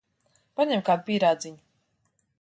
Paņem kādu pīrādziņu.